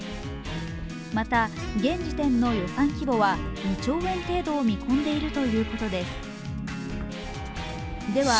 また現時点の予算規模は２兆円程度を見込んでいるということです。